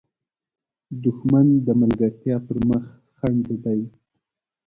دښمن د ملګرتیا پر مخ خنډ دی